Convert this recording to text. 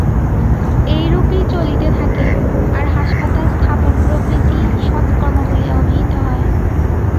এইরূপই চলিতে থাকে, আর হাসপাতাল-স্থাপন প্রভৃতি সৎ কর্ম বলিয়া অভিহিত হয়।